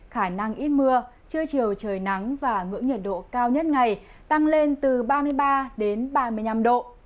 khả năng ít mưa trưa chiều trời nắng và ngưỡng nhiệt độ cao nhất ngày tăng lên từ ba mươi ba đến ba mươi năm độ